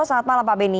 selamat malam pak benny